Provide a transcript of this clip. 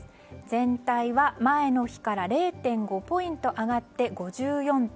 全体は前の日から０．５ポイント上がって５４．２％。